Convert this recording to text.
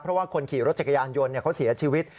เพราะว่าคนขี่รถจักรยานยนต์เขาเสียชีวิต